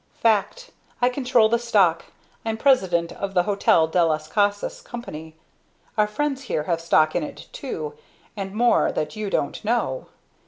"Fact. I control the stock I'm president of the Hotel del las Casas Company. Our friends here have stock in it, too, and more that you don't know.